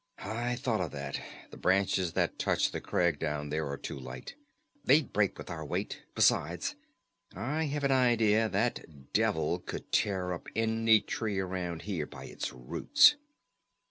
"I thought of that. The branches that touch the crag down there are too light. They'd break with our weight. Besides, I have an idea that devil could tear up any tree around here by its roots."